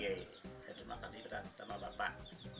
oke terima kasih berat sama bapak